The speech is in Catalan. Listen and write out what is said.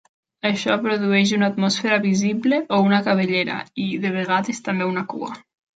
Això produeix una atmosfera visible o una cabellera i, de vegades, també una cua.